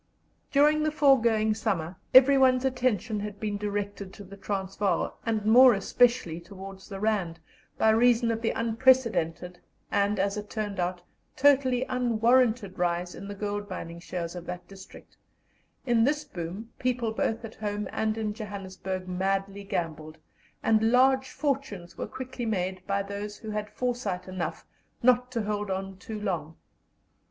During the foregoing summer everyone's attention had been directed to the Transvaal, and more especially towards the Rand, by reason of the unprecedented and, as it turned out, totally unwarranted rise in the gold mining shares of that district; in this boom, people both at home and in Johannesburg madly gambled, and large fortunes were quickly made by those who had foresight enough not to hold on too long.